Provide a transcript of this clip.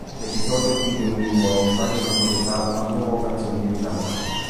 L'episodio diede un'involontaria notorietà al Nuovo Canzoniere Italiano.